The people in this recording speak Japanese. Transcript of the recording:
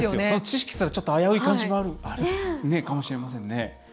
その知識すら危うい感じもあるかもしれませんね。